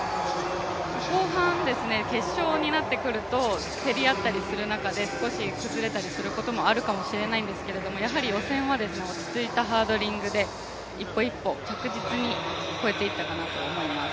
後半、決勝になってくると競り合ったりする中で少し崩れたりすることもあるかもしれないんですけどもやはり予選は落ち着いたハードリングで一歩一歩、着実に越えていったかなと思います。